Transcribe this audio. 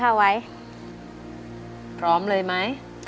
ต้องไวแต่หนัก